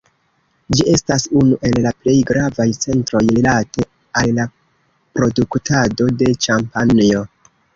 Ĝi estas unu el la plej gravaj centroj rilate al la produktado de ĉampanjo.